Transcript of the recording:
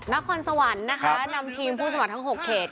นครสวรรค์นะคะนำทีมผู้สมัครทั้ง๖เขต